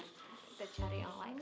kita cari yang lain